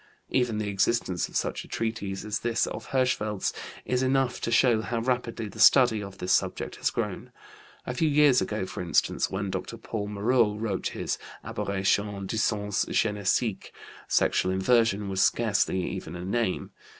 Even the existence of such a treatise as this of Hirschfeld's is enough to show how rapidly the study of this subject has grown. A few years ago for instance, when Dr. Paul Moreau wrote his Aberrations du Sens Génésique sexual inversion was scarcely even a name.